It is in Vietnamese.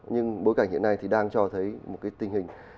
nhưng bối cảnh hiện nay thì đang cho thấy một cái tình hình